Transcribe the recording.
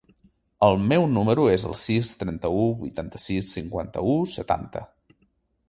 El meu número es el sis, trenta-u, vuitanta-sis, cinquanta-u, setanta.